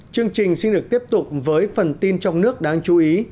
chương trình xin được tiếp tục với phần tin trong nước đáng chú ý